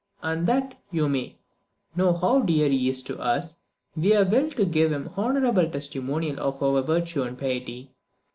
And that you may know how dear he is to us, we have willed to give him this honourable testimonial of virtue and piety.